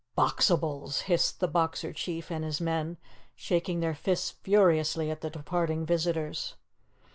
"Boxibals!" hissed the Boxer Chief and his men, shaking their fists furiously at the departing visitors.